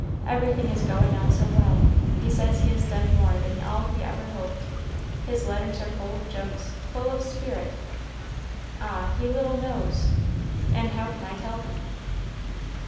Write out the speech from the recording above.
Everything is going on so well; he says he has done more than all he ever hoped; his letters are full of jokes, full of spirit. Ah, he little knows, and how can I tell him?"